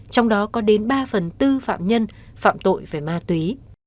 trong đó có đến ba phần tư phạm nhân phạm tội về ma túy